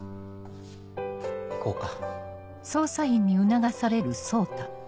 行こうか。